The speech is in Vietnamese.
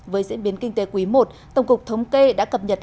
với diễn biến kinh tế quý i tổng cục thống kê đã cập nhật